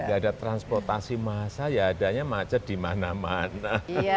nggak ada transportasi massa ya adanya macet di mana mana